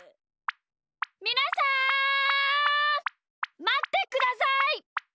みなさんまってください！